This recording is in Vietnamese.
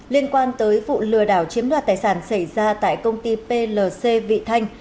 liên quan tới vụ lừa đảo chiếm đoạt tài sản xảy ra tại công ty plc vị thanh